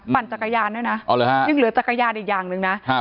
ปั่นจักรยานด้วยนะยังเหลือจักรยานอีกอย่างหนึ่งนะครับ